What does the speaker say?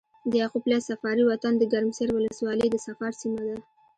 د يعقوب ليث صفاري وطن د ګرمسېر ولسوالي د صفار سيمه ده۔